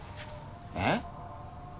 えっ？